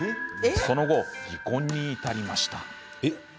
その後、離婚に至りました。